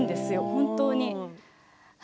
本当に。